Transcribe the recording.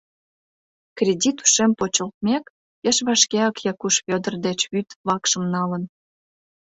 Кредит ушем почылтмек, пеш вашкеак Якуш Вӧдыр деч вӱд вакшым налын.